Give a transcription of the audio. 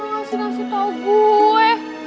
mau ngasih ngasih tau gue